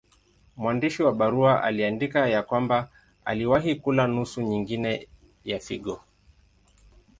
Mwandishi wa barua aliandika ya kwamba aliwahi kula nusu nyingine ya figo.